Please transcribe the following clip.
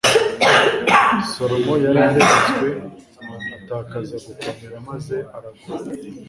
salomo yararenzwe, atakaza gukomera maze aragwa